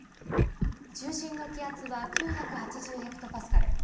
中心の気圧は９８０ヘクトパスカル。